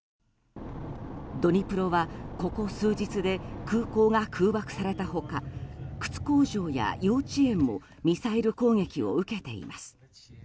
ドニプロはここ数日で空港が空爆された他靴工場や幼稚園もミサイル攻撃を受けています。